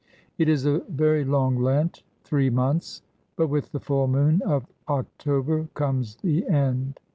It is a very long Lent three months; but with the full moon of October comes the end.